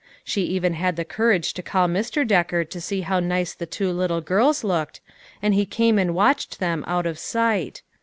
She even had the courage to call Mr. Decker to see how nice the two little girls looked, and he came and watched them out of sight.